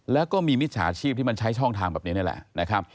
แล้วก็มีนิตยาชีพที่ใช้ช่องทางแบบนี้แหละ